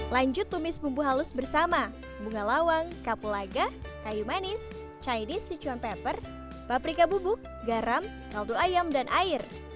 lanjut tumis bumbu halus bersama bunga lawang kapulaga kayu manis chinese sichuan pepper paprika bubuk garam kaldu ayam dan air